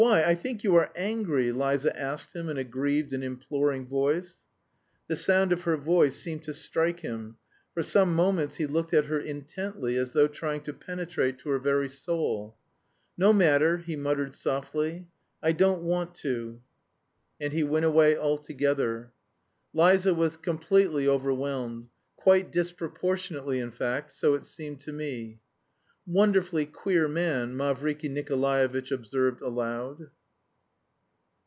I think you are angry!" Liza asked him in a grieved and imploring voice. The sound of her voice seemed to strike him; for some moments he looked at her intently, as though trying to penetrate to her very soul. "No matter," he muttered, softly, "I don't want to...." And he went away altogether. Liza was completely overwhelmed, quite disproportionately in fact, so it seemed to me. "Wonderfully queer man," Mavriky Nikolaevitch observed aloud.